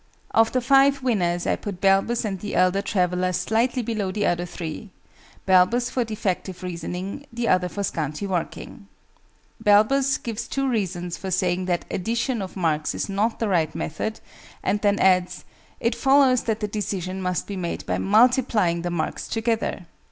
Of the five winners I put BALBUS and THE ELDER TRAVELLER slightly below the other three BALBUS for defective reasoning, the other for scanty working. BALBUS gives two reasons for saying that addition of marks is not the right method, and then adds "it follows that the decision must be made by multiplying the marks together."